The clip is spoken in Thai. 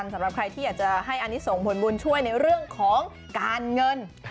สำหรับใครที่อยากจะให้อันนี้ส่งผลบุญช่วยในเรื่องของการเงิน